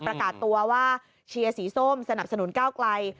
ประกาศตัวว่าเชียร์สีส้มสนับสนุนก้าวไกล